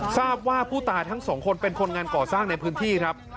ทราบว่าผู้ตายทั้งสองคนเป็นคนงานก่อสร้างในพื้นที่ครับ